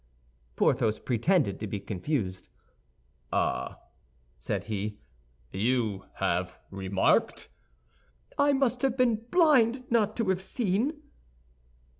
Porthos pretended to be confused. "Ah," said he, "you have remarked—" "I must have been blind not to have seen."